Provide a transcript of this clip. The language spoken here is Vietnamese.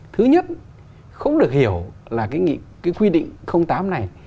thứ nhất không được hiểu là cái quy định tám này